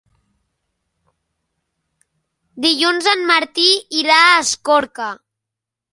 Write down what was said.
Dilluns en Martí irà a Escorca.